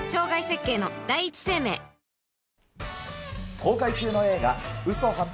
公開中の映画、嘘八百